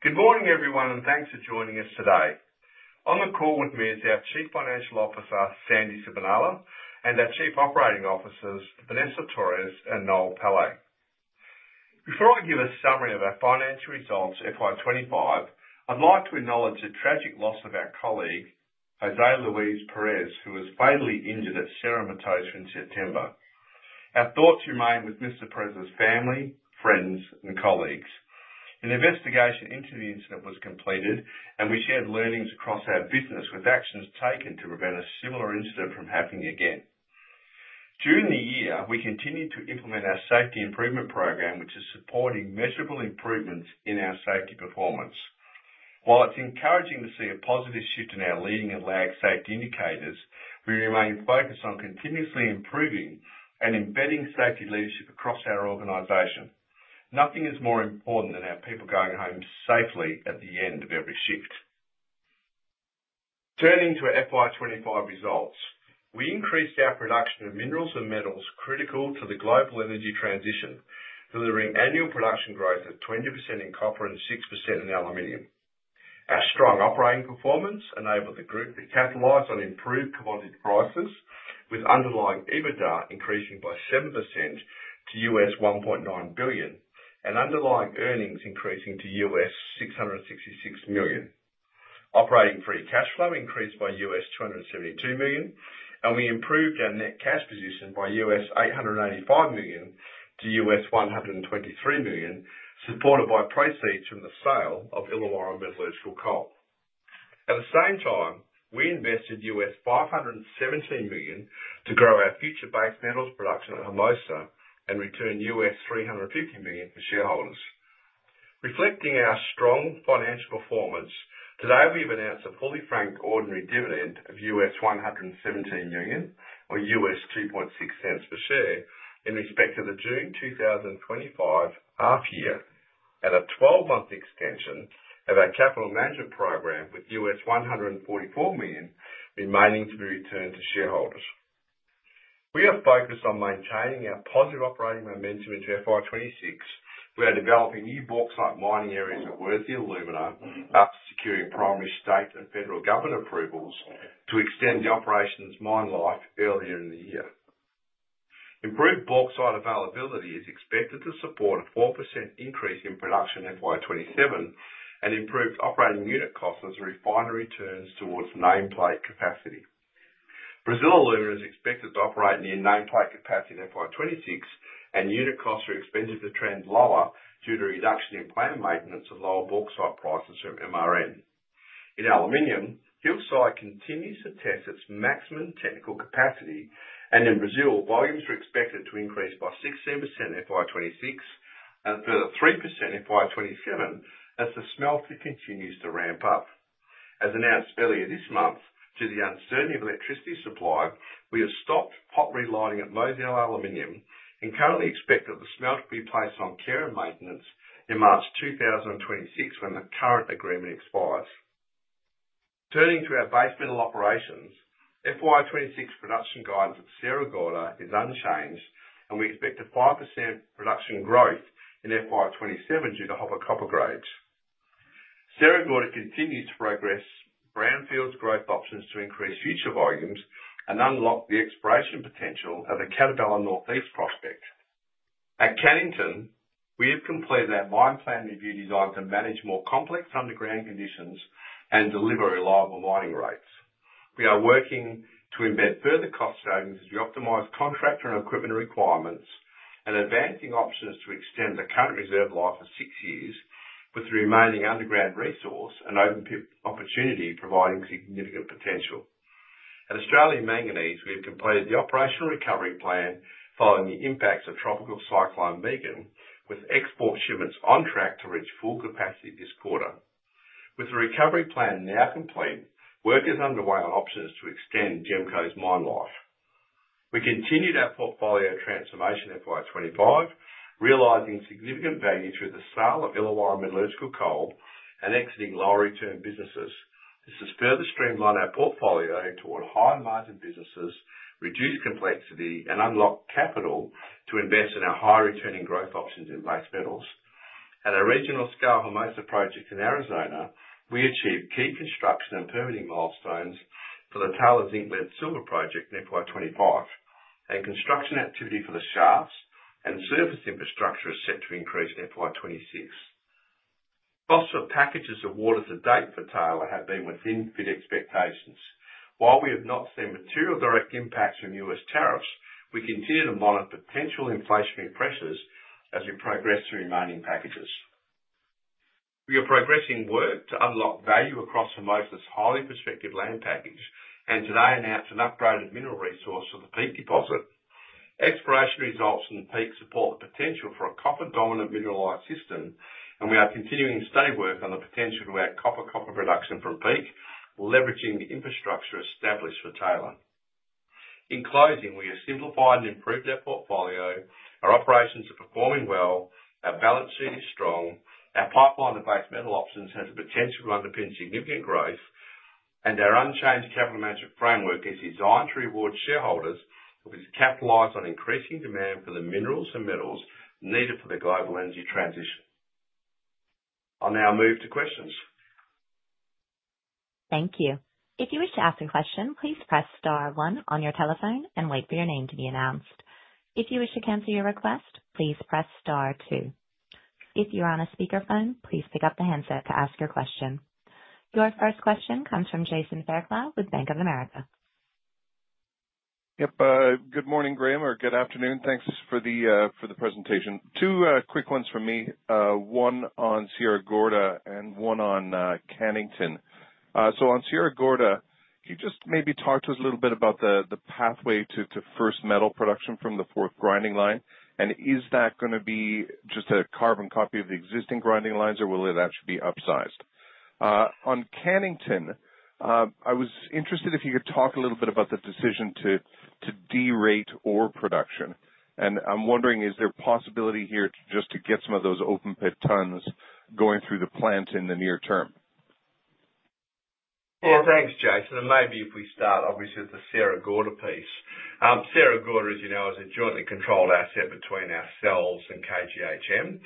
Good morning, everyone, and thanks for joining us today. On the call with me is our Chief Financial Officer, Sandy Sibenaler, and our Chief Operating Officers, Vanessa Torres and Noel Pillay. Before I give a summary of our financial results FY25, I'd like to acknowledge the tragic loss of our colleague, José Luis Pérez, who was fatally injured at Cerro Matoso in September. Our thoughts remain with Mr. Pérez's family, friends, and colleagues. An investigation into the incident was completed, and we shared learnings across our business with actions taken to prevent a similar incident from happening again. During the year, we continued to implement our safety improvement program, which is supporting measurable improvements in our safety performance. While it's encouraging to see a positive shift in our leading and lag safety indicators, we remain focused on continuously improving and embedding safety leadership across our organization. Nothing is more important than our people going home safely at the end of every shift. Turning to FY25 results, we increased our production of minerals and metals critical to the global energy transition, delivering annual production growth of 20% in copper and 6% in aluminum. Our strong operating performance enabled the group to capitalize on improved commodity prices, with underlying EBITDA increasing by 7% to $1.9 billion and underlying earnings increasing to $666 million. Operating free cash flow increased by $272 million, and we improved our net cash position by $885 million to $123 million, supported by proceeds from the sale of Illawarra Metallurgical Coal. At the same time, we invested $517 million to grow our future base metals production at Hermosa and return $350 million to shareholders. Reflecting our strong financial performance, today we have announced a fully franked ordinary dividend of $117 million, or $2.60 per share, in respect of the June 2025 half-year, and a 12-month extension of our capital management program with $144 million remaining to be returned to shareholders. We are focused on maintaining our positive operating momentum into FY26 by developing new bauxite mining areas at Worsley Alumina after securing primary state and federal government approvals to extend the operation's mine life earlier in the year. Improved bauxite availability is expected to support a 4% increase in production FY27 and improved operating unit costs as the refinery turns towards nameplate capacity. Brazil Alumina is expected to operate near nameplate capacity in FY26, and unit costs are expected to trend lower due to a reduction in plant maintenance and lower bauxite prices from MRN. In aluminum, Hillside continues to test its maximum technical capacity, and in Brazil, volumes are expected to increase by 16% FY26 and further 3% FY27 as the smelter continues to ramp up. As announced earlier this month, due to the uncertainty of electricity supply, we have stopped pot re-lighting at Mozal Aluminium and currently expect that the smelter will be placed on care and maintenance in March 2026 when the current agreement expires. Turning to our base metal operations, FY26 production guidance at Sierra Gorda is unchanged, and we expect a 5% production growth in FY27 due to higher copper grade. Sierra Gorda continues to progress brownfields growth options to increase future volumes and unlock the exploration potential of the Catabela North East prospect. At Cannington, we have completed our mine plan review design to manage more complex underground conditions and deliver reliable mining rates. We are working to embed further cost savings as we optimize contractor and equipment requirements and advancing options to extend the current reserve life of six years with the remaining underground resource and open pit opportunity providing significant potential. At Australian Manganese, we have completed the operational recovery plan following the impacts of Tropical Cyclone Megan, with export shipments on track to reach full capacity this quarter. With the recovery plan now complete, work is underway on options to extend GEMCO's mine life. We continued our portfolio transformation FY25, realizing significant value through the sale of Illawarra Metallurgical Coal and exiting lower-return businesses. This has further streamlined our portfolio toward high-margin businesses, reduced complexity, and unlocked capital to invest in our high-returning growth options in base metals. At a regional scale Hermosa project in Arizona, we achieved key construction and permitting milestones for the Taylor zinc-lead-silver project in FY25, and construction activity for the shafts and surface infrastructure is set to increase in FY26. Costs for packages awarded to date for Taylor have been within bid expectations. While we have not seen material direct impacts from US tariffs, we continue to monitor potential inflationary pressures as we progress to remaining packages. We are progressing work to unlock value across Hermosa's highly prospective land package and today announced an upgraded mineral resource for the Peake deposit. Exploration results from the Peake support the potential for a copper-dominant mineralized system, and we are continuing study work on the potential to add copper production from Peake, leveraging the infrastructure established for Taylor. In closing, we have simplified and improved our portfolio. Our operations are performing well. Our balance sheet is strong. Our pipeline of base metal options has the potential to underpin significant growth, and our unchanged capital management framework is designed to reward shareholders who have capitalized on increasing demand for the minerals and metals needed for the global energy transition. I'll now move to questions. Thank you. If you wish to ask a question, please press star one on your telephone and wait for your name to be announced. If you wish to cancel your request, please press star two. If you are on a speakerphone, please pick up the handset to ask your question. Your first question comes from Jason Fairclough with Bank of America. Yep. Good morning, Graham, or good afternoon. Thanks for the presentation. Two quick ones from me, one on Sierra Gorda and one on Cannington. On Sierra Gorda, can you just maybe talk to us a little bit about the pathway to first metal production from the fourth grinding line? Is that going to be just a carbon copy of the existing grinding lines, or will it actually be upsized? On Cannington, I was interested if you could talk a little bit about the decision to derate ore production. I'm wondering, is there a possibility here just to get some of those open pit tons going through the plant in the near term? Thanks, Jason. It may be if we start, obviously, with the Sierra Gorda piece. Sierra Gorda, as you know, is a jointly controlled asset between ourselves and KGHM.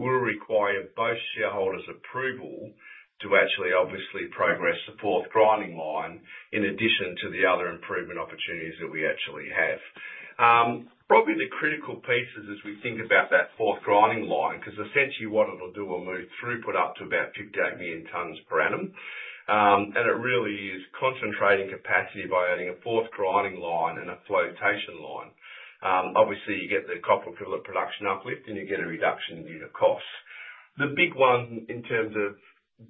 We'll require both shareholders' approval to actually obviously progress the fourth grinding line in addition to the other improvement opportunities that we actually have. Probably the critical pieces as we think about that fourth grinding line, because essentially what it'll do will move throughput up to about 58 million tons per annum. It really is increasing capacity by adding a fourth grinding line and a flotation line. You get the copper concentrate production uplift, and you get a reduction in unit costs. The big one in terms of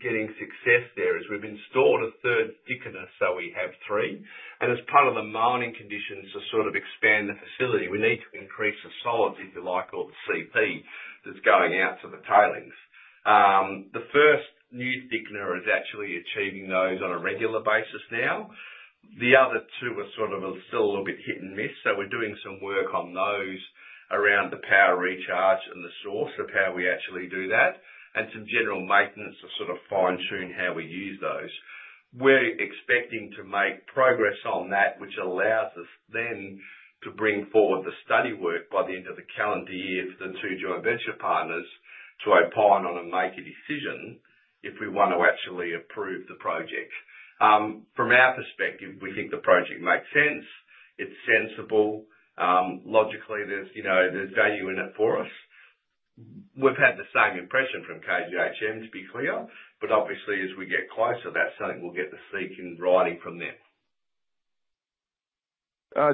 getting success there is we've installed a third thickener, so we have three. As part of the mining conditions to sort of expand the facility, we need to increase the solids, if you like, or the CP that's going out to the tailings. The first new thickener is actually achieving those on a regular basis now. The other two are sort of still a little bit hit and miss, We're doing some work on those around the power recharge and the source of how we actually do that, and some general maintenance to sort of fine-tune how we use those. We're expecting to make progress on that, which allows us then to bring forward the study work by the end of the calendar year for the two joint venture partners to opine on and make a decision if we want to actually approve the project. From our perspective, we think the project makes sense. It's sensible. Logically, there's value in it for us. We've had the same impression from KGHM, to be clear, but obviously, as we get closer, that's something we'll get to seek in writing from them.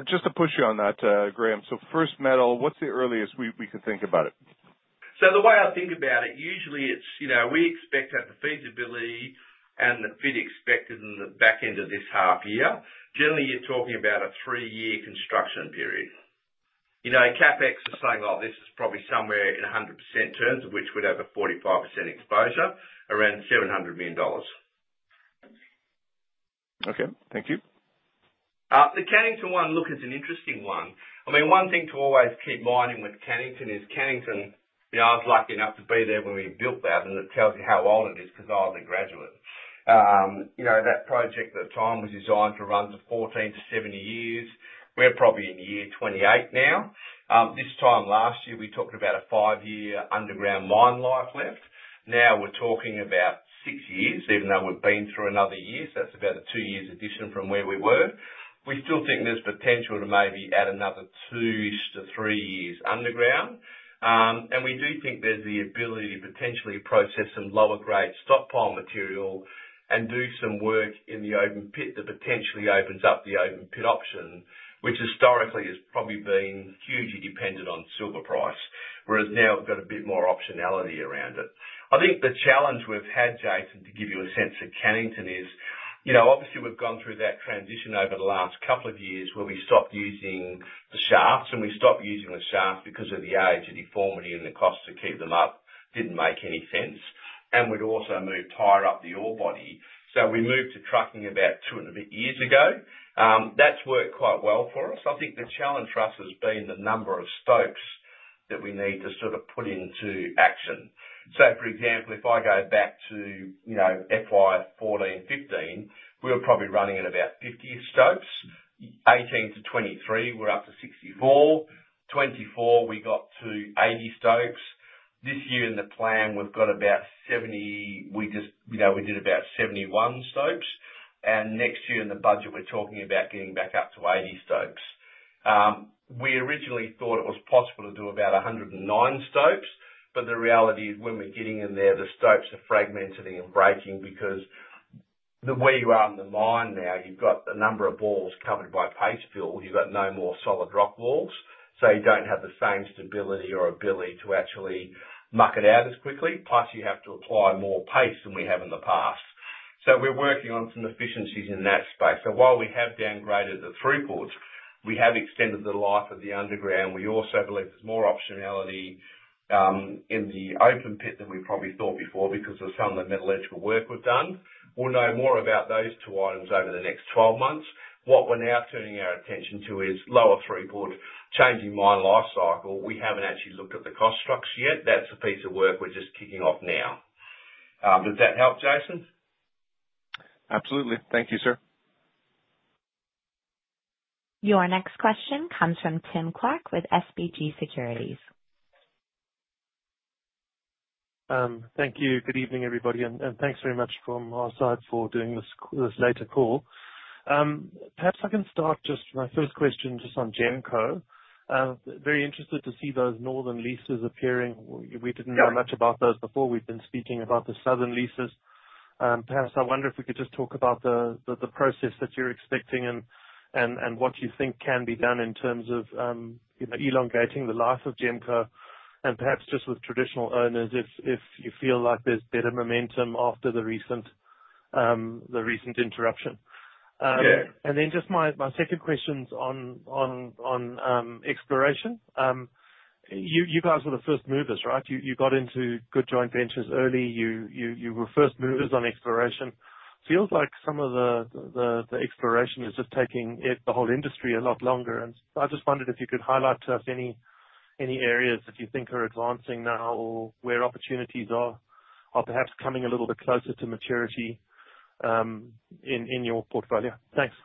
Just to push you on that, Graham, first metal, what's the earliest we can think about it? The way I think about it, usually it's we expect at the feasibility and the bid expected in the back end of this half year. Generally, you're talking about a three-year construction period. CapEx is saying, "Oh, this is probably somewhere in 100% terms of which we'd have a 45% exposure, around $700 million. Okay. Thank you. The Cannington one looks like an interesting one. I mean, one thing to always keep in mind with Cannington is Cannington. I was lucky enough to be there when we built that, and it tells you how old it is because I was a graduate. That project at the time was designed to run for 14 to 70 years. We're probably in year 28 now. This time last year, we talked about a five-year underground mine life left. Now we're talking about six years, even though we've been through another year, that's about a two-year addition from where we were. We still think there's potential to maybe add another two to three years underground. We do think there's the ability to potentially process some lower-grade stockpile material and do some work in the open pit that potentially opens up the open pit option, which historically has probably been hugely dependent on silver price, whereas now we've got a bit more optionality around it. I think the challenge we've had, Jason, to give you a sense of Cannington is obviously we've gone through that transition over the last couple of years where we stopped using the shafts, and we stopped using the shafts because of the age and deformation and the cost to keep them up didn't make any sense. We'd also moved higher up the ore body. We moved to trucking about two and a bit years ago. That's worked quite well for us. I think the challenge for us has been the number of stopes that we need to sort of put into action. For example, if I go back to FY14, 15, we were probably running at about 50 stopes. 18 to 23, we're up to 64. 24, we got to 80 stopes. This year in the plan, we've got about 70. We did about 71 stopes, and next year in the budget, we're talking about getting back up to 80 stopes. We originally thought it was possible to do about 109 stopes, but the reality is when we're getting in there, the stopes are fragmenting and breaking because the way you are in the mine now, you've got a number of voids covered by paste fill. You've got no more solid rock walls, so you don't have the same stability or ability to actually muck it out as quickly. Plus, you have to apply more paste than we have in the past. We're working on some efficiencies in that space. While we have downgraded the throughput, we have extended the life of the underground. We also believe there's more optionality in the open pit than we probably thought before because of some of the metallurgical work we've done. We'll know more about those two items over the next 12 months. What we're now turning our attention to is lower throughput, changing mine life cycle. We haven't actually looked at the cost structure yet. That's a piece of work we're just kicking off now. Does that help, Jason? Absolutely. Thank you, sir. Your next question comes from Tim Clark with SBG Securities. Thank you. Good evening, everybody. Thanks very much from our side for doing this later call. Perhaps I can start just my first question just on GEMCO. Very interested to see those northern leases appearing. We didn't know much about those before. We've been speaking about the southern leases. Perhaps I wonder if we could just talk about the process that you're expecting and what you think can be done in terms of elongating the life of GEMCO and perhaps just with traditional owners if you feel like there's better momentum after the recent interruption. Just my second question's on exploration. You guys were the first movers, right? You got into good joint ventures early. You were first movers on exploration. Feels like some of the exploration is just taking the whole industry a lot longer. I just wondered if you could highlight to us any areas that you think are advancing now or where opportunities are perhaps coming a little bit closer to maturity in your portfolio? Thanks.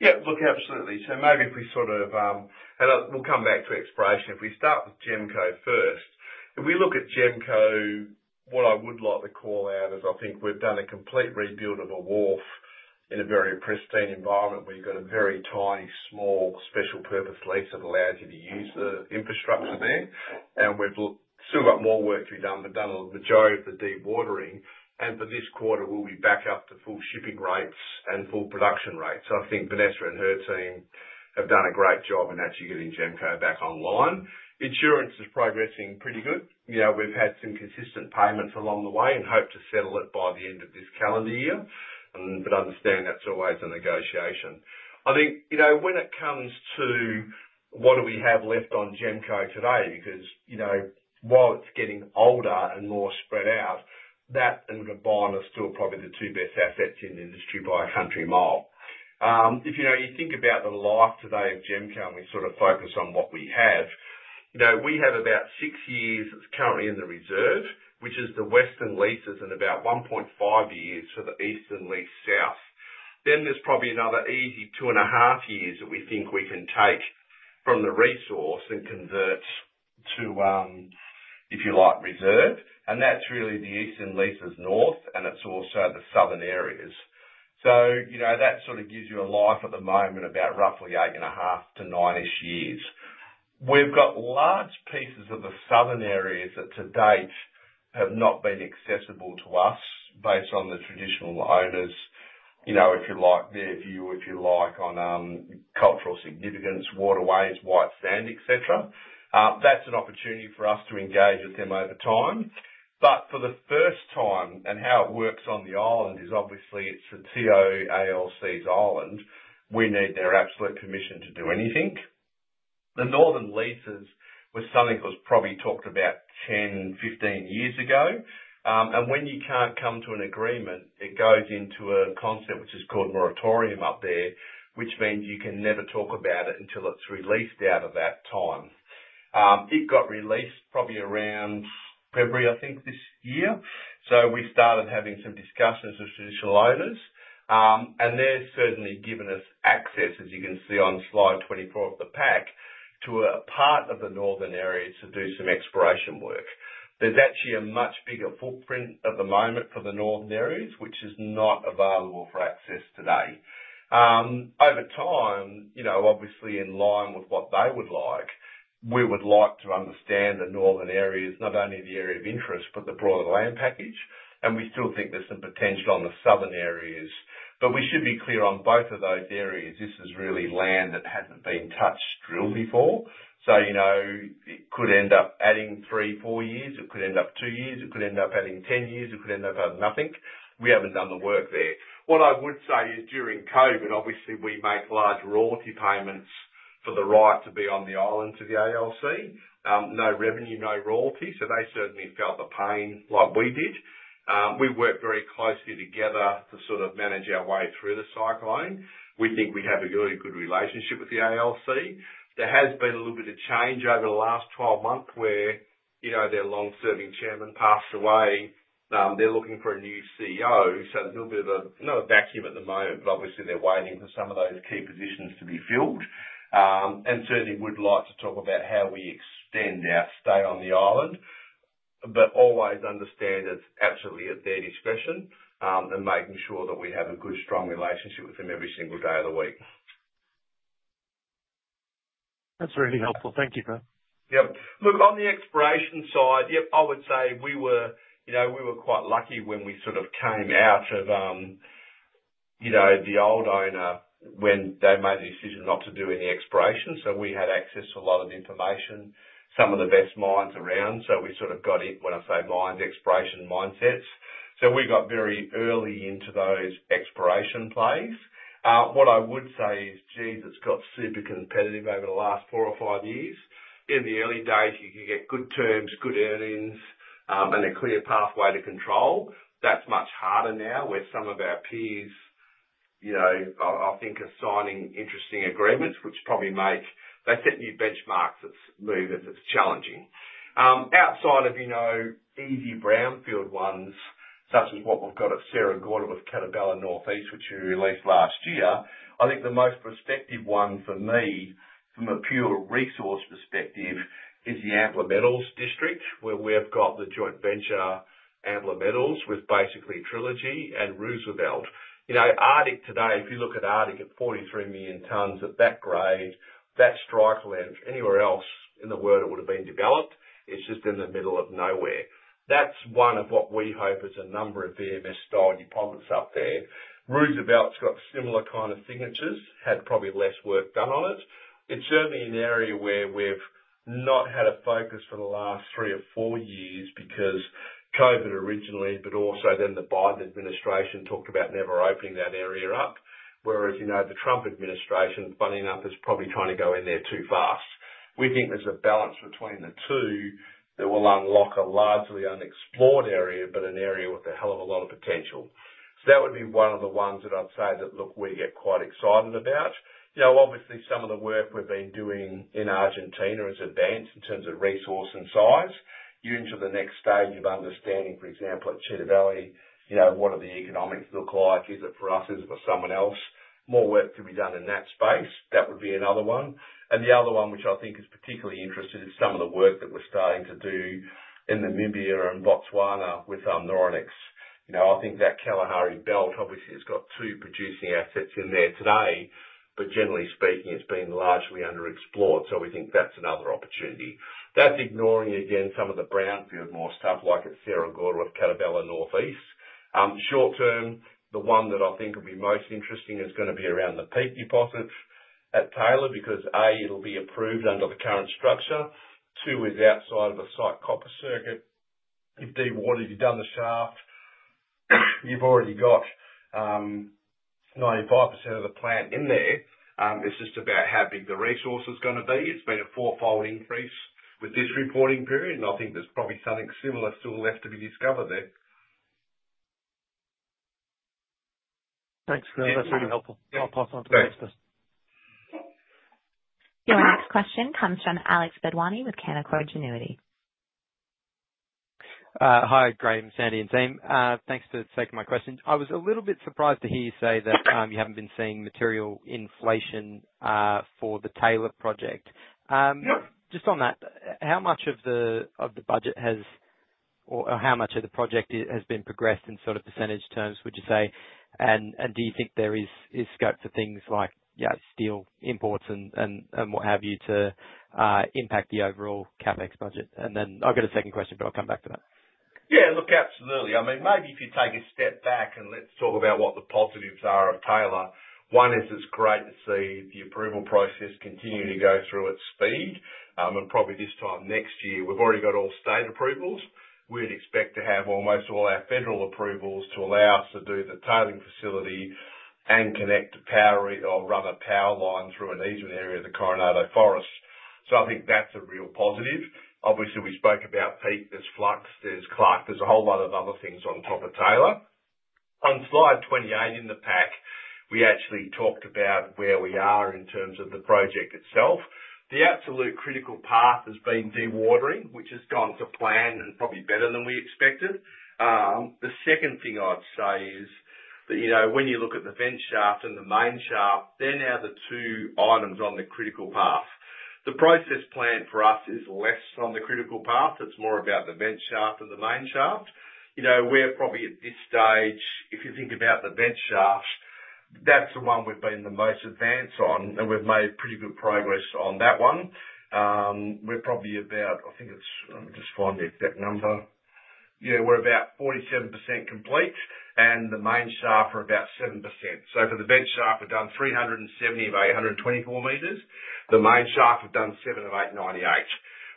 Look, absolutely. Maybe if we sort of and we'll come back to exploration. If we start with GEMCO first, if we look at GEMCO, what I would like to call out is I think we've done a complete rebuild of a wharf in a very pristine environment where you've got a very tiny, small special purpose lease that allows you to use the infrastructure there. We've still got more work to be done, but done on the majority of the dewatering. For this quarter, we'll be back up to full shipping rates and full production rates. I think Vanessa and her team have done a great job in actually getting GEMCO back online. Insurance is progressing pretty good. We've had some consistent payments along the way and hope to settle it by the end of this calendar year, but understand that's always a negotiation. I think when it comes to what do we have left on GEMCO today? Because while it's getting older and more spread out, that and Gabon are still probably the two best assets in the industry by a country mile. If you think about the life today of GEMCO and we sort of focus on what we have, we have about six years that's currently in the reserve, which is the western leases and about 1.5 years for the eastern lease south. Then there's probably another easy two and a half years that we think we can take from the resource and convert to, if you like, reserve. That's really the eastern leases north, and it's also the southern areas. That sort of gives you a life at the moment about roughly eight and a half to nine-ish years. We've got large pieces of the southern areas that to date have not been accessible to us based on the traditional owners, if you like, their view, if you like, on cultural significance, waterways, white sand, etc. That's an opportunity for us to engage with them over time. For the first time, and how it works on the island is obviously it's the ALC's island. We need their absolute permission to do anything. The northern leases were something that was probably talked about 10, 15 years ago. And when you can't come to an agreement, it goes into a concept which is called moratorium up there, which means you can never talk about it until it's released out of that time. It got released probably around February, I think, this year. We started having some discussions with traditional owners. They've certainly given us access, as you can see on slide 24 of the pack, to a part of the northern areas to do some exploration work. There's actually a much bigger footprint at the moment for the northern areas, which is not available for access today. Over time, obviously in line with what they would like, we would like to understand the northern areas, not only the area of interest, but the broader land package. and we still think there's some potential on the southern areas. but we should be clear on both of those areas. This is really land that hasn't been touched, drilled before. It could end up adding three, four years. It could end up two years. It could end up adding 10 years. It could end up adding nothing. We haven't done the work there. What I would say is during COVID, obviously, we make large royalty payments for the right to be on the island to the ALC. No revenue, no royalty. So they certainly felt the pain like we did. We work very closely together to sort of manage our way through the cyclone. We think we have a really good relationship with the ALC. There has been a little bit of change over the last 12 months where their long-serving chairman passed away. They're looking for a new CEO. There's a little bit of a vacuum at the moment, they're waiting for some of those key positions to be filled. Certainly would like to talk about how we extend our stay on the island, but always understand it's absolutely at their discretion and making sure that we have a good, strong relationship with them every single day of the week. That's really helpful. Thank you, sir. Look, on the exploration side, yep, I would say we were quite lucky when we sort of came out of the old owner when they made the decision not to do any exploration. We had access to a lot of information, some of the best minds around. We sort of got in, when I say minds, exploration mindsets. We got very early into those exploration plays. What I would say is, geez, it's got super competitive over the last four or five years. In the early days, you could get good terms, good earnings, and a clear pathway to control. That's much harder now where some of our peers, I think, are signing interesting agreements, which probably means they set new benchmarks. That's moving. It's challenging. Outside of easy brownfield ones, such as what we've got at Sierra Gorda with Catabela North East, which we released last year, I think the most prospective one for me from a pure resource perspective is the Ambler Mining District, where we've got the joint venture Ambler Metals with basically Trilogy and Bornite. Arctic today, if you look at Arctic at 43 million tons of that grade, that strike length, anywhere else in the world it would have been developed, it's just in the middle of nowhere. That's one of what we hope is a number of VMS style deposits up there. Bornite's got similar kind of signatures, had probably less work done on it. It's certainly an area where we've not had a focus for the last three or four years because COVID originally, but also then the Biden administration talked about never opening that area up, whereas the Trump administration funding up is probably trying to go in there too fast. We think there's a balance between the two that will unlock a largely unexplored area, but an area with a hell of a lot of potential. That would be one of the ones that I'd say that, look, we get quite excited about. Some of the work we've been doing in Argentina has advanced in terms of resource and size. You enter the next stage of understanding, for example, at Chita Valley, what do the economics look like? Is it for us? Is it for someone else? More work to be done in that space. That would be another one. The other one, which I think is particularly interesting, is some of the work that we're starting to do in the Namibia and Botswana with Noronex. I think that Kalahari Belt obviously has got two producing assets in there today, but generally speaking, it's been largely underexplored. So we think that's another opportunity. That's ignoring, again, some of the brownfields, more stuff like at Sierra Gorda with Catabela North East. Short-term, the one that I think will be most interesting is going to be around the Peake deposits at Taylor because, A, it'll be approved under the current structure. Two, it's outside of the silver circuit. If dewatered, you've done the shaft, you've already got 95% of the plant in there. It's just about how big the resource is going to be. It's been a four-fold increase with this reporting period. I think there's probably something similar still left to be discovered there. Thanks. That's really helpful. I'll pass on to the next person. Your next question comes from Alex Bedwany with Canaccord Genuity. Hi, Graham, Sandy and team. Thanks for taking my question. I was a little bit surprised to hear you say that you haven't been seeing material inflation for the Taylor project. Just on that, how much of the budget has or how much of the project has been progressed in sort of percentage terms, would you say? Do you think there is scope for things like, yeah, steel imports and what have you to impact the overall CapEx budget? I've got a second question, but I'll come back to that. Look, absolutely. Maybe if you take a step back and let's talk about what the positives are of Taylor. One is it's great to see the approval process continue to go through at speed. Probably this time next year, we've already got all state approvals. We'd expect to have almost all our federal approvals to allow us to do the tailings facility and connect the power or run a power line through an eastern area of the Coronado National Forest. I think that's a real positive. Obviously, we spoke about Peake. There's Flux. There's Clark. There's a whole lot of other things on top of Taylor. On slide 28 in the pack, we actually talked about where we are in terms of the project itself. The absolute critical path has been dewatering, which has gone to plan and probably better than we expected. The second thing I'd say is that when you look at the vent shaft and the main shaft, they're now the two items on the critical path. The process plan for us is less on the critical path. It's more about the vent shaft and the main shaft. We're probably at this stage, if you think about the vent shaft, that's the one we've been the most advanced on, and we've made pretty good progress on that one. We're probably about, I think it's I'll just find the exact number. We're about 47% complete, and the main shaft are about 7%. So for the vent shaft, we've done 370 of 824 meters. The main shaft, we've done 7 of 898.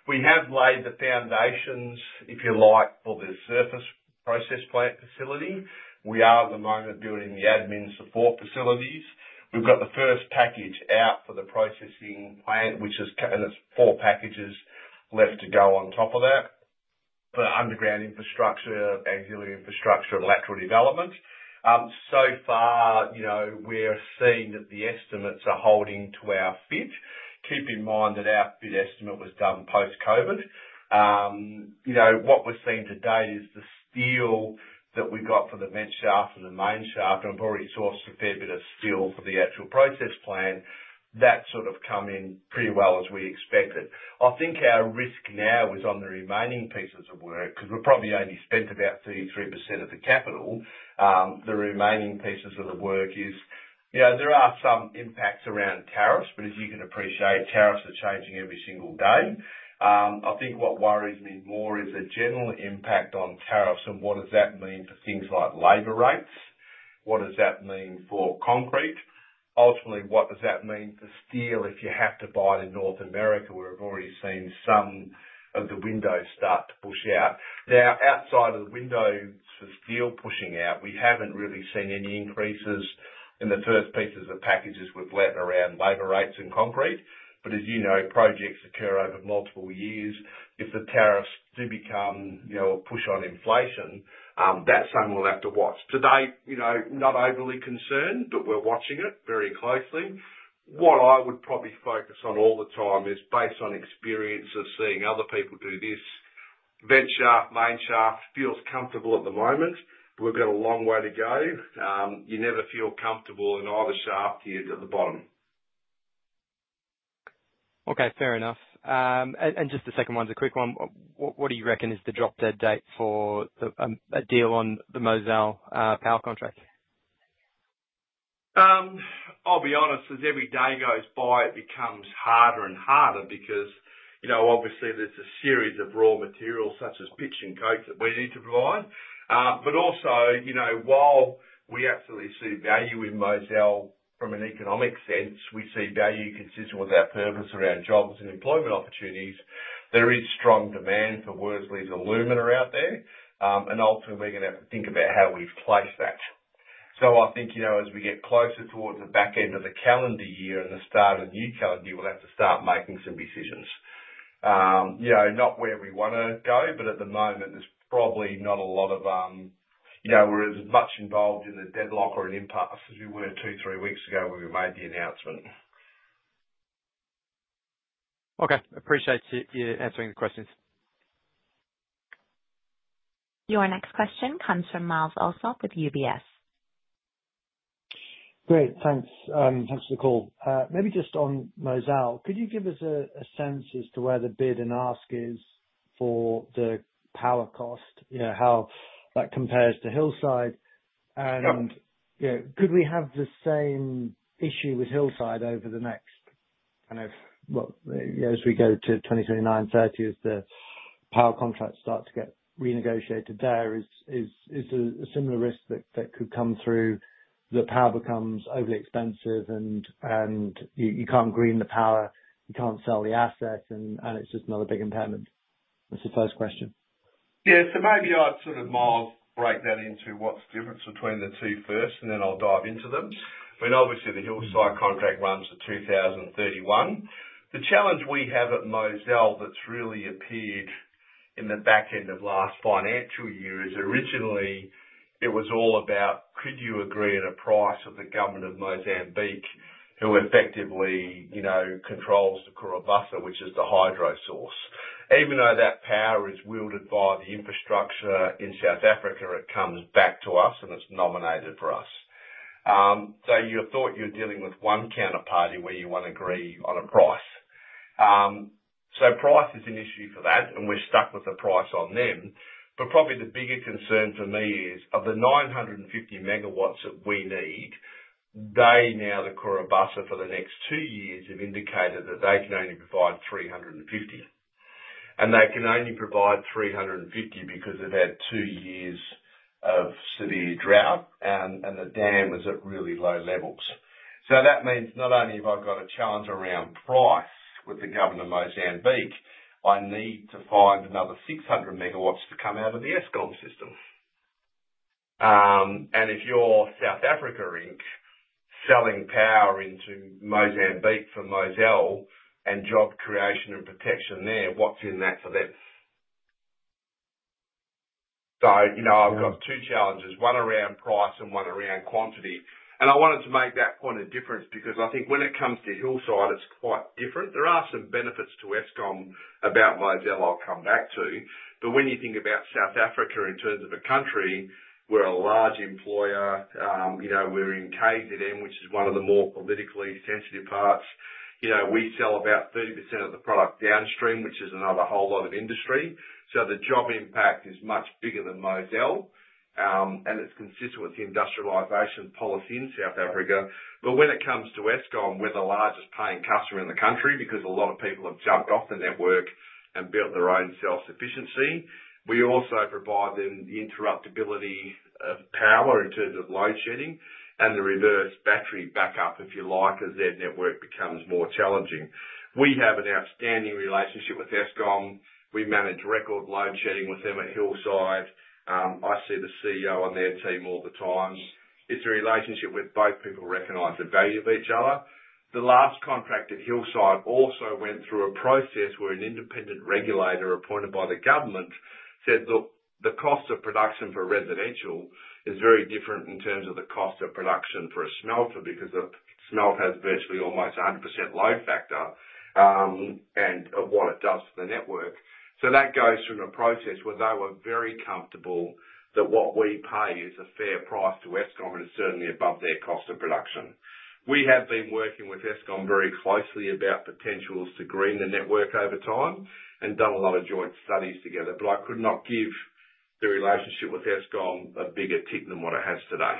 We have laid the foundations, if you like, for the surface process plant facility. We are at the moment building the admin support facilities. We've got the first package out for the processing plant, which is, and it's four packages left to go on top of that, but underground infrastructure, auxiliary infrastructure, and lateral development. Far, we're seeing that the estimates are holding to our FID. Keep in mind that our FID estimate was done post-COVID. What we're seeing today is the steel that we got for the vent shaft and the main shaft, and we've already sourced a fair bit of steel for the actual processing plant. That's sort of come in pretty well as we expected. I think our risk now is on the remaining pieces of work because we've probably only spent about 33% of the capital. The remaining pieces of the work is there are some impacts around tariffs, as you can appreciate, tariffs are changing every single day. I think what worries me more is the general impact on tariffs and what does that mean for things like labor rates? What does that mean for concrete? Ultimately, what does that mean for steel if you have to buy it in North America where we've already seen some of the windows start to push out? Now, outside of the windows for steel pushing out, we haven't really seen any increases in the first pieces of packages we've let around labor rates and concrete. As you know, projects occur over multiple years. If the tariffs do become a push on inflation, that's something we'll have to watch. Today, not overly concerned, but we're watching it very closely. What I would probably focus on all the time is based on experience of seeing other people do this. Vent shaft, main shaft feels comfortable at the moment. We've got a long way to go. You never feel comfortable in either shaft here to the bottom. Okay. Fair enough. Just the second one's a quick one. What do you reckon is the drop-dead date for a deal on the Mozal power contract? I'll be honest, as every day goes by, it becomes harder and harder because obviously, there's a series of raw materials such as pitch and coke that we need to provide, but also, while we absolutely see value in Mozal from an economic sense, we see value consistent with our purpose around jobs and employment opportunities. There is strong demand for Worsley aluminum out there, and ultimately, we're going to have to think about how we've placed that, I think as we get closer towards the back end of the calendar year and the start of the new calendar, we'll have to start making some decisions. Not where we want to go, but at the moment, there's probably not a lot that we're as much involved in the deadlock or in impasse as we were two, three weeks ago when we made the announcement. Okay. Appreciate you answering the questions. Your next question comes from Myles Allsop with UBS. Great. Thanks. Thanks for the call. Maybe just on Mozal, could you give us a sense as to where the bid and ask is for the power cost, how that compares to Hillside? Could we have the same issue with Hillside over the next kind of, well, as we go to 2029, 2030, as the power contracts start to get renegotiated there? Is there a similar risk that could come through that power becomes overly expensive and you can't green the power, you can't sell the asset, and it's just another big impairment? That's the first question. Maybe I'd sort of, Miles, break that into what's the difference between the two first, and then I'll dive into them. I mean, obviously, the Hillside contract runs to 2031. The challenge we have at Mozal that's really appeared in the back end of last financial year is originally it was all about, could you agree at a price with the government of Mozambique who effectively controls the Cahora Bassa, which is the hydro source? Even though that power is wheeled by the infrastructure in South Africa, it comes back to us and it's nominated for us. You thought you're dealing with one counterparty where you want to agree on a price. Price is an issue for that, and we're stuck with the price on them. But probably the bigger concern for me is of the 950 megawatts that we need. They now, the Cahora Bassa, for the next two years have indicated that they can only provide 350. They can only provide 350 because they've had two years of severe drought and the dam was at really low levels. That means not only have I got a challenge around price with the government of Mozambique, I need to find another 600 megawatts to come out of the Eskom system. If you're South Africa Inc. selling power into Mozambique for Mozal and job creation and protection there, what's in that for them? I've got two challenges, one around price and one around quantity. I wanted to make that point of difference because I think when it comes to Hillside, it's quite different. There are some benefits to Eskom about Mozal. I'll come back to. When you think about South Africa in terms of a country, we're a large employer. We're in KZN, which is one of the more politically sensitive parts. We sell about 30% of the product downstream, which is another whole lot of industry. The job impact is much bigger than Mozal, and it's consistent with the industrialization policy in South Africa. When it comes to Eskom, we're the largest paying customer in the country because a lot of people have jumped off the network and built their own self-sufficiency. We also provide them the interruptibility of power in terms of load shedding and the reverse battery backup, if you like, as their network becomes more challenging. We have an outstanding relationship with Eskom. We manage record load shedding with them at Hillside. I see the CEO on their team all the time. It's a relationship where both people recognize the value of each other. The last contract at Hillside also went through a process where an independent regulator appointed by the government said, "Look, the cost of production for residential is very different in terms of the cost of production for a smelter because a smelter has virtually almost 100% load factor and what it does for the network." That goes through a process where they were very comfortable that what we pay is a fair price to Eskom and is certainly above their cost of production. We have been working with Eskom very closely about potentials to green the network over time and done a lot of joint studies together. But I could not give the relationship with Eskom a bigger tick than what it has today.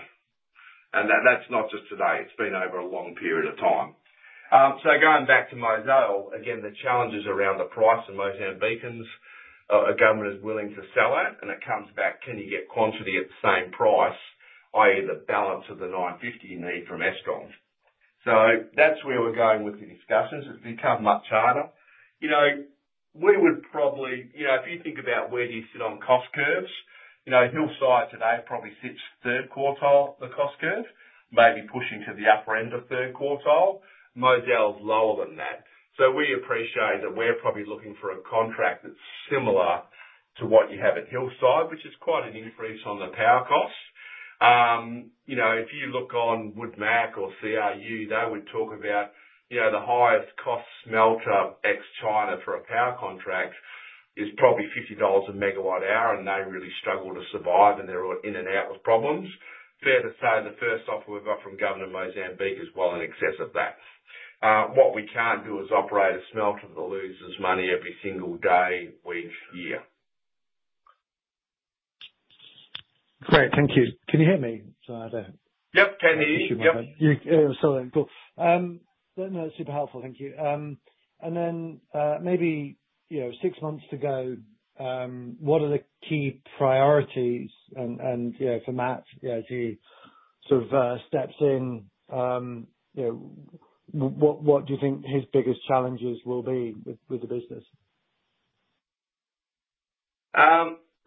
That's not just today. It's been over a long period of time. Going back to Mozal, again, the challenges around the price and Mozambique and government is willing to sell it, and it comes back, can you get quantity at the same price, i.e., the balance of the 950 you need from Eskom? That's where we're going with the discussions. It's become much harder. We would probably if you think about where do you sit on cost curves, Hillside today probably sits third quartile of the cost curve, maybe pushing to the upper end of third quartile. Mozal's lower than that. We appreciate that we're probably looking for a contract that's similar to what you have at Hillside, which is quite an increase on the power cost. If you look on Wood Mackenzie or CRU, they would talk about the highest cost smelter ex-China for a power contract is probably $50 a megawatt hour, and they really struggle to survive, and they're in and out with problems. Fair to say the first offer we've got from the government of Mozambique is well in excess of that. What we can't do as operators is a smelter that loses money every single day, week, year. Great. Thank you. Can you hear me? Sorry. Can you hear me? Sorry. Cool. No, that's super helpful. Thank you. Maybe six months to go, what are the key priorities? For Matt, as he sort of steps in, what do you think his biggest challenges will be with the business?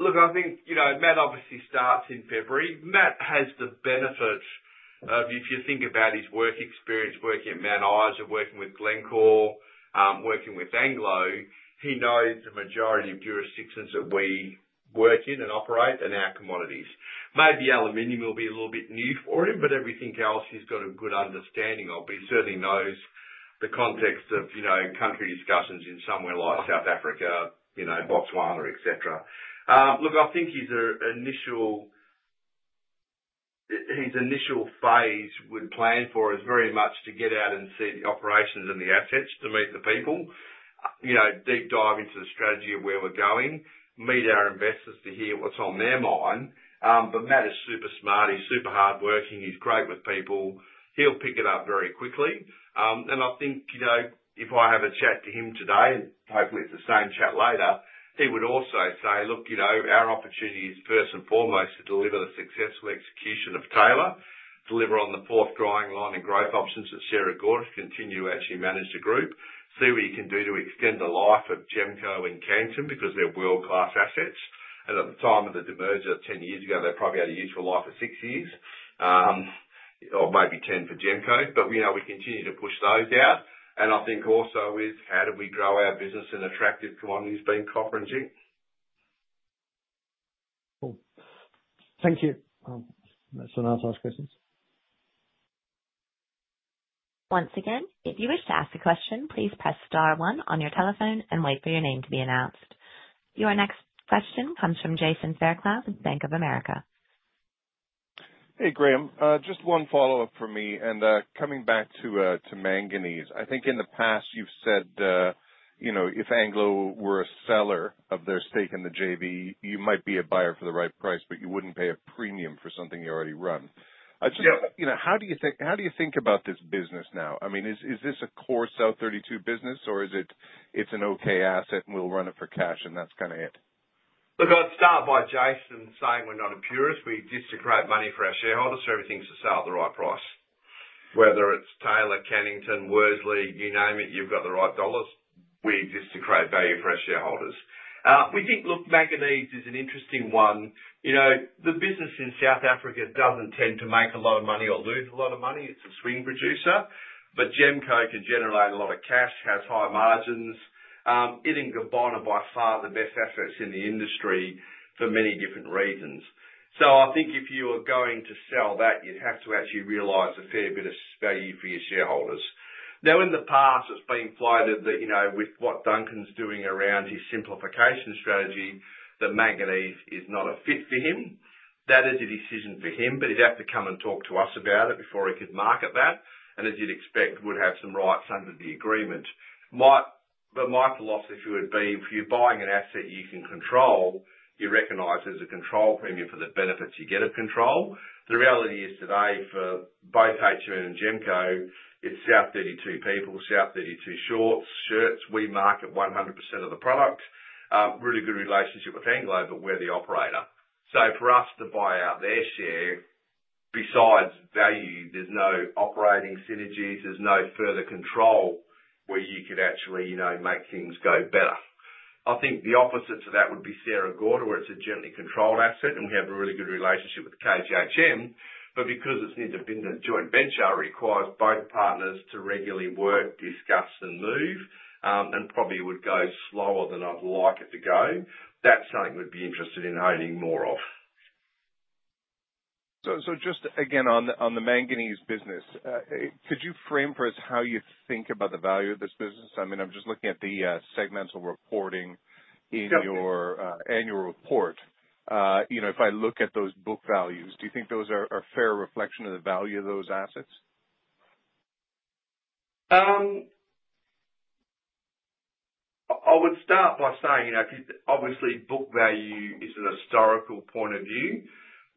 Look, I think Matt obviously starts in February. Matt has the benefit of, if you think about his work experience working at Mount Isa, working with Glencore, working with Anglo, he knows the majority of jurisdictions that we work in and operate and our commodities. Maybe aluminium will be a little bit new for him, but everything else he's got a good understanding of. He certainly knows the context of country discussions in somewhere like South Africa, Botswana, etc. Look, I think his initial phase would plan for is very much to get out and see the operations and the assets to meet the people, deep dive into the strategy of where we're going, meet our investors to hear what's on their mind. Matt is super smart. He's super hardworking. He's great with people. He'll pick it up very quickly. I think if I have a chat to him today, and hopefully it's the same chat later, he would also say, "Look, our opportunity is first and foremost to deliver the successful execution of Taylor, deliver on the fourth flotation line and growth options that Sierra Gorda has continued to actually manage the group, see what you can do to extend the life of GEMCO and Cannington because they're world-class assets." At the time of the demerger 10 years ago, they probably had a useful life of six years or maybe 10 for GEMCO. We continue to push those out. I think also with how do we grow our business in attractive commodities being copper and zinc. Cool. Thank you. That's all I have to ask questions. Once again, if you wish to ask a question, please press star one on your telephone and wait for your name to be announced. Your next question comes from Jason Fairclough with Bank of America. Hey, Graham. Just one follow-up from me, and coming back to manganese, I think in the past you've said if Anglo were a seller of their stake in the JV, you might be a buyer for the right price, you wouldn't pay a premium for something you already run. How do you think about this business now? I mean, is this a core South32 business, or is it, "It's an okay asset and we'll run it for cash, and that's kind of it"? Look, I'd start by just saying we're not a purist. We just create money for our shareholders so everything's at the right price. Whether it's Taylor, Cannington, Worsley, you name it, you've got the right dollars. We just create value for our shareholders. We think, look, manganese is an interesting one. The business in South Africa doesn't tend to make a lot of money or lose a lot of money. It's a swing producer. GEMCO can generate a lot of cash, has high margins. It and Gabon are by far the best assets in the industry for many different reasons. I think if you were going to sell that, you'd have to actually realize a fair bit of value for your shareholders. Now, in the past, it's been floated that with what Duncan's doing around his simplification strategy, that manganese is not a fit for him. That is a decision for him, but he'd have to come and talk to us about it before he could market that. As you'd expect, would have some rights under the agreement. My philosophy would be, if you're buying an asset you can control, you recognize there's a control premium for the benefits you get of control. The reality is today, for both SAM and GEMCO, it's South32 people, South32 shorts, shirts. We market 100% of the product. Really good relationship with Anglo, but we're the operator. For us to buy out their share, besides value, there's no operating synergies. There's no further control where you could actually make things go better. I think the opposite to that would be Sierra Gorda, where it's a jointly controlled asset, and we have a really good relationship with KGHM. But because it's an independent joint venture, it requires both partners to regularly work, discuss, and move, and probably would go slower than I'd like it to go. That's something we'd be interested in owning more of. Just again, on the manganese business, could you frame for us how you think about the value of this business? I mean, I'm just looking at the segmental reporting in your annual report. If I look at those book values, do you think those are a fair reflection of the value of those assets? I would start by saying, obviously, book value is a historical point of view,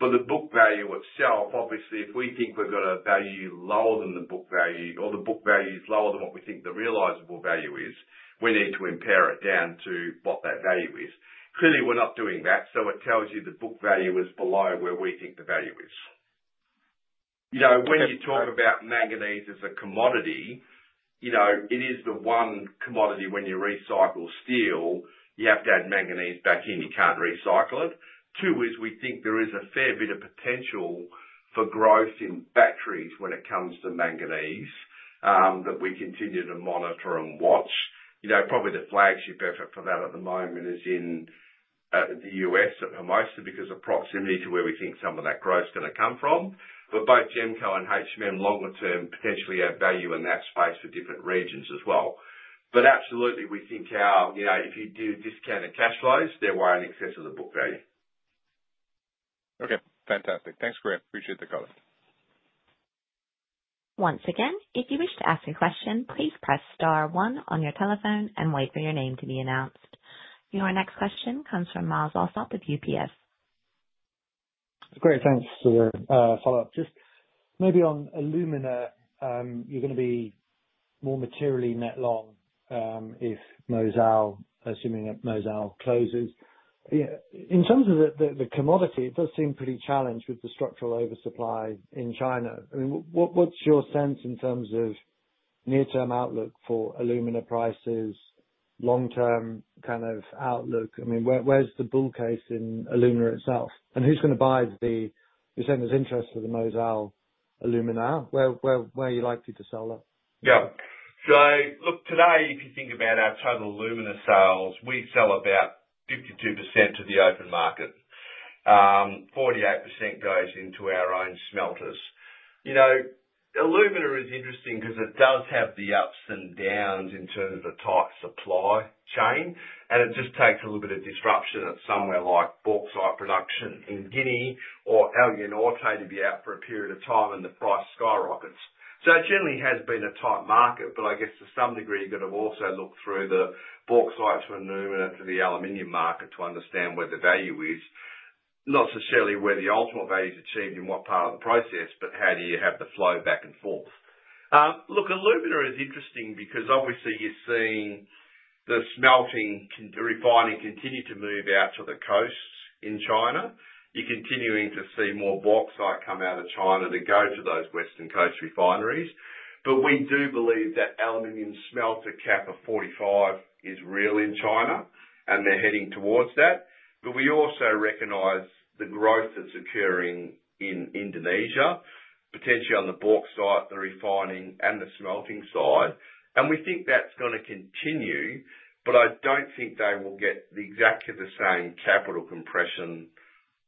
the book value itself, obviously, if we think we've got a value lower than the book value or the book value is lower than what we think the realizable value is, we need to impair it down to what that value is. Clearly, we're not doing that, so it tells you the book value is below where we think the value is. When you talk about manganese as a commodity, it is the one commodity when you recycle steel, you have to add manganese back in. You can't recycle it. Two is we think there is a fair bit of potential for growth in batteries when it comes to manganese that we continue to monitor and watch. Probably the flagship effort for that at the moment is in the U.S. at Hermosa because of proximity to where we think some of that growth is going to come from. But both GEMCO and longer term, potentially have value in that space for different regions as well. Absolutely, we think if you do discounted cash flows, they're way in excess of the book value. Okay. Fantastic. Thanks, Graham. Appreciate the color. Once again, if you wish to ask a question, please press star one on your telephone and wait for your name to be announced. Your next question comes from Myles Allsop with UBS. Great. Thanks for the follow-up. Just maybe on alumina, you're going to be more materially net long if Mozal, assuming that Mozal closes. In terms of the commodity, it does seem pretty challenged with the structural oversupply in China. I mean, what's your sense in terms of near-term outlook for alumina prices, long-term kind of outlook? Where's the bull case in alumina itself? Who's going to buy that? You're saying there's interest for the Mozal alumina. Where are you likely to sell that? Look, today, if you think about our total alumina sales, we sell about 52% to the open market. 48% goes into our own smelters. Alumina is interesting because it does have the ups and downs in terms of the tight supply chain, and it just takes a little bit of disruption at somewhere like bauxite production in Guinea or El Niño or embargo out for a period of time, and the price skyrockets. It generally has been a tight market. I guess to some degree, you've got to also look through the bauxite to alumina to the aluminum market to understand where the value is. Not necessarily where the ultimate value is achieved in what part of the process, but how do you have the flow back and forth? Look, alumina is interesting because obviously you're seeing the smelting refining continue to move out to the coasts in China. You're continuing to see more bauxite come out of China to go to those western coast refineries. We do believe that aluminum smelter cap of 45 is real in China, and they're heading towards that. We also recognize the growth that's occurring in Indonesia, potentially on the bauxite, the refining, and the smelting side. We think that's going to continue, but I don't think they will get exactly the same capital compression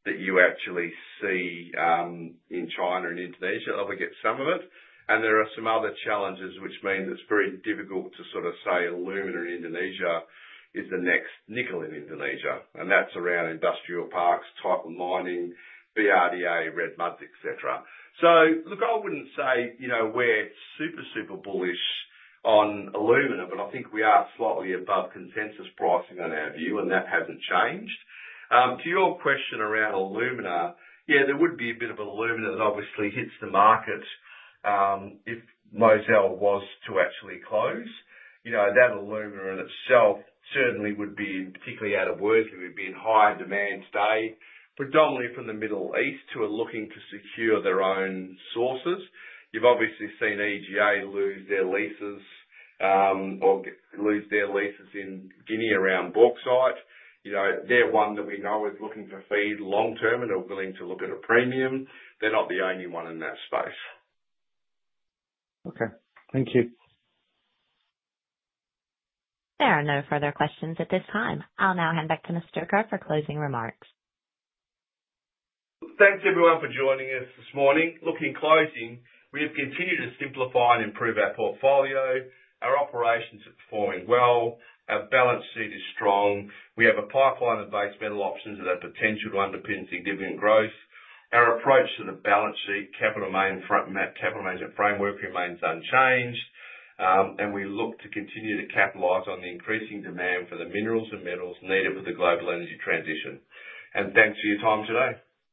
that you actually see in China and Indonesia. They'll get some of it. There are some other challenges, which means it's very difficult to sort of say alumina in Indonesia is the next nickel in Indonesia. That's around industrial parks, tailings mining, BRDA, red muds, etc. Look, I wouldn't say we're super, super bullish on alumina, but I think we are slightly above consensus pricing on our view, and that hasn't changed. To your question around alumina, there would be a bit of alumina that obviously hits the market if Mozal was to actually close. That alumina in itself certainly would be particularly out of work. It would be in high demand today, predominantly from the Middle East who are looking to secure their own sources. You've obviously seen EGA lose their leases or lose their leases in Guinea around bauxite. They're one that we know is looking for feed long-term and are willing to look at a premium. They're not the only one in that space. Thank you. There are no further questions at this time. I'll now hand back to Mr. Kerr for closing remarks. Thanks, everyone, for joining us this morning. In closing, we have continued to simplify and improve our portfolio. Our operations are performing well. Our balance sheet is strong. We have a pipeline of base metal options that have potential to underpin significant growth. Our approach to the balance sheet, capital management, capital management framework remains unchanged, and we look to continue to capitalize on the increasing demand for the minerals and metals needed for the global energy transition, and thanks for your time today.